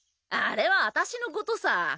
あれはあたしのことさ。